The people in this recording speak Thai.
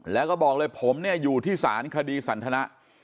แล้วก็บอกเลยผมเนี่ยอยู่ที่ศาลคดีสันทนะ